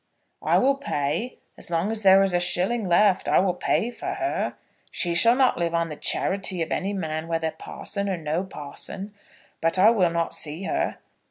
"I will pay. As long as there is a shilling left, I will pay for her. She shall not live on the charity of any man, whether parson or no parson. But I will not see her.